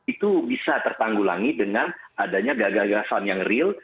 itu bisa tertanggulangi dengan adanya gagasan yang real